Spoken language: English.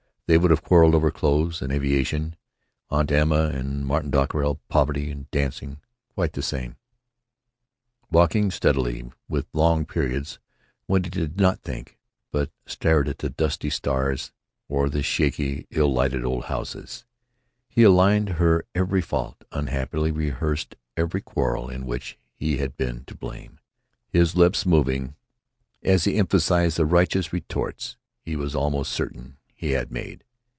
They would have quarreled over clothes and aviation, Aunt Emma and Martin Dockerill, poverty and dancing, quite the same. Walking steadily, with long periods when he did not think, but stared at the dusty stars or the shaky, ill lighted old houses, he alined her every fault, unhappily rehearsed every quarrel in which she had been to blame, his lips moving as he emphasized the righteous retorts he was almost certain he had made.